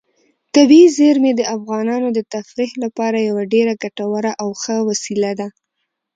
طبیعي زیرمې د افغانانو د تفریح لپاره یوه ډېره ګټوره او ښه وسیله ده.